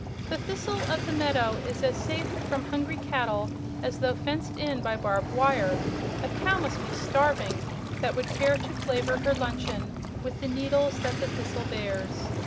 The thistle of the meadow is as safe from hungry cattle as though fenced in by barbed wire. A cow must be starving that would care to flavor her luncheon with the needles that the thistle bears.